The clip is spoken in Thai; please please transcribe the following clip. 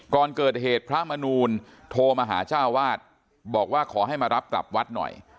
ก่อนเกิดเหตุพระมนูลโทรมาหาเจ้าวาดบอกว่าขอให้มารับกลับวัดหน่อย